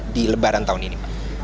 di lebaran tahun ini